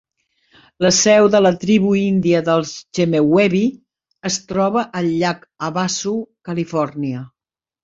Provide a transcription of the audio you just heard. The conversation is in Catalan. La seu de la tribu índia dels Chemehuevi es troba al llac Havasu, Califòrnia.